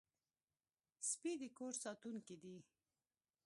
سپي د کور ساتونکي دي.